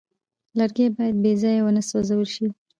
لرګی باید بېځایه ونه سوځول شي.